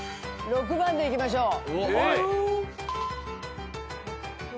６番でいきましょう。